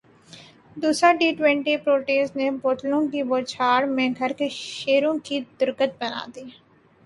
دوسرا T twenty Proteas نے بوتلوں کی بوچھاڑمیں گھر کے شیروں کی درگت بنادی